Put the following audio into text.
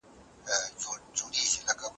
ډېري مڼې د هغه پخپله اوږه وړل کیږي.